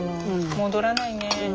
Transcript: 戻らないね。